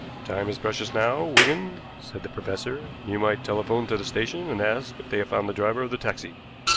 "Time is precious now, Wigan," said the professor. "You might telephone to the station and ask if they have found the driver of the taxi.